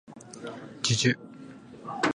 じゅじゅ